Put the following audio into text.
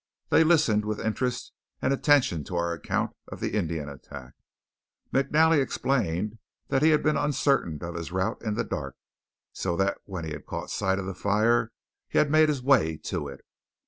They listened with interest and attention to our account of the Indian attack. McNally explained that he had been uncertain of his route in the dark; so that when he had caught sight of the fire he had made his way to it.